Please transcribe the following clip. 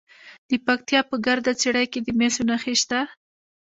د پکتیا په ګرده څیړۍ کې د مسو نښې شته.